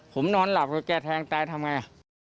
ผมนอนหลับแล้วแกแทงตายทำไง